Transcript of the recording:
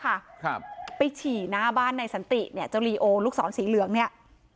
ครับไปฉี่หน้าบ้านในสันติเนี่ยเจ้าลีโอลูกศรสีเหลืองเนี้ย